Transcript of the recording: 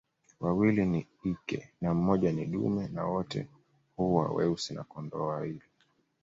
Wawili ni ike na mmoja ni dume na wote huwa weusi na kondoo wawili